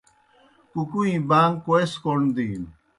کُکُویں باݩگ کوئے سہ کوْݨ دِینوْ